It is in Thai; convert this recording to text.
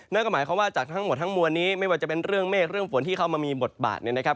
นั่นก็หมายความว่าจากทั้งหมดทั้งมวลนี้ไม่ว่าจะเป็นเรื่องเมฆเรื่องฝนที่เข้ามามีบทบาทเนี่ยนะครับ